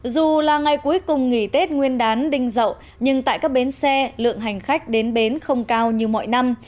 dù là ngày cuối cùng nghỉ tết nguyên đán đinh rậu nhưng tại các bến xe lượng hành khách đến bến không cao như mọi năm